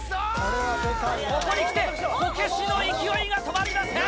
ここにきて、こけしの勢いが止まりません。